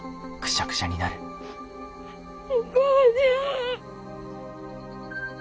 お母ちゃん。